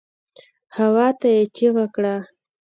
هواته يې چيغه کړه.